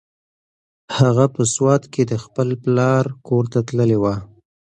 هغه په سوات کې د خپل پلار کور ته تللې وه.